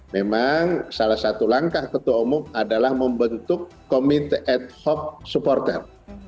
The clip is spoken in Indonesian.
memang salah satu langkah ketua umum adalah membentuk komite ad hoc supporter